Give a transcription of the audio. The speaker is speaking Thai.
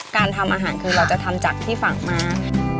การทำอาหารคือเราจะทำจากที่ฝั่งมา